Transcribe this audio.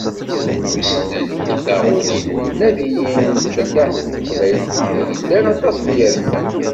Wissen anti taɣulin tinaddayin n tfellaḥt n teqbaylit ideg llan aṭas n yirman?